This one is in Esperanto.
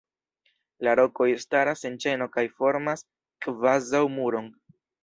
La rokoj staras en ĉeno kaj formas kvazaŭ muron.